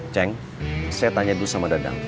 ceng saya tanya dulu sama dadang